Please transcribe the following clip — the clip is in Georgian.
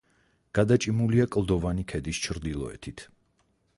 გადაჭიმულია კლდოვანი ქედის ჩრდილოეთით.